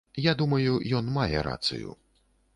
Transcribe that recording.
Я думаю, ён мае рацыю.